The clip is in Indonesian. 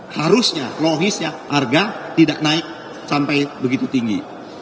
harusnya logisnya harga tidak naik sampai begitu tinggi